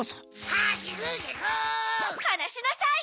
はなしなさい！